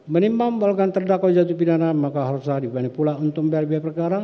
menimbang bahwa terdakwa jatuh pidana maka harus dibanipula untuk beri beri perkara